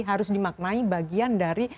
harus dimaknai bagian dari